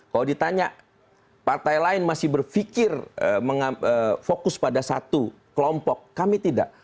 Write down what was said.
kalau ditanya partai lain masih berpikir fokus pada satu kelompok kami tidak